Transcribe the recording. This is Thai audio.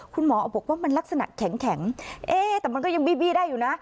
คุณหมอบอกว่ามันลักษณะแข็งเอ๊ะแต่มันก็ยังบีบี้ได้อยู่นะ